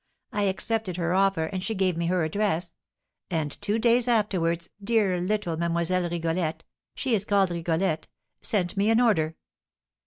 I accepted her offer, and she gave me her address; and two days afterwards dear little Mlle. Rigolette she is called Rigolette sent me an order."